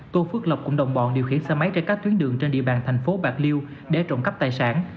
tô phước lộc cùng đồng bọn điều khiển xe máy trên các tuyến đường trên địa bàn thành phố bạc liêu để trộm cắp tài sản